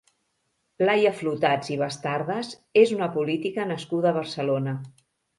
Laia Flotats i Bastardas és una política nascuda a Barcelona.